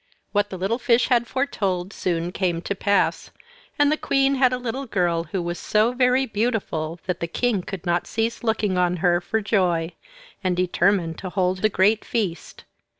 What the little fish had foretold soon came to pass; and the Queen had a little girl who was so very beautiful that the king could not cease looking on her for joy, and determined to hold a great feast.